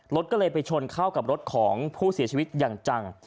รถก็เลยไปชนเข้ากับรถของผู้เสียชีวิตอย่างจัง